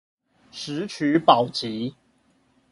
石渠寶笈